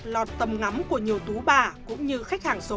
lọt tầm ngắm của nhiều tú bà cũng như khách hàng số